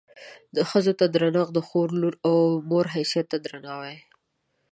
ښځو ته درنښت د خور، لور او مور حیثیت ته درناوی.